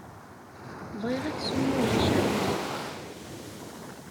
Bɣiɣ aksum ma ulac aɣilif.